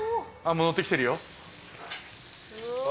のってきてるよ。